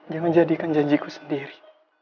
jangan jadikan janjiku sendiri